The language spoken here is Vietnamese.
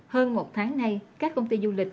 hơn một tháng nay các công ty du lịch